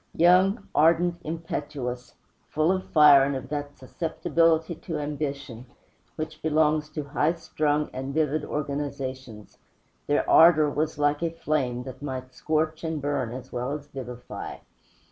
Young, ardent, impetuous, full of fire and of that susceptibility to ambition which belongs to high strung and vivid organizations, their ardor was like a flame, that might scorch and burn as well as vivify.